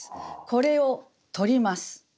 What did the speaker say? これを取ります。